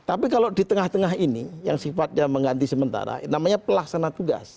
tapi kalau di tengah tengah ini yang sifatnya mengganti sementara namanya pelaksana tugas